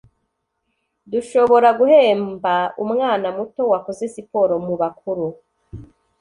dushobora guhemba umwana muto wakoze siporo mu bakuru